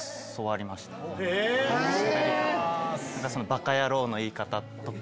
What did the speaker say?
「バカヤロ！」の言い方とか。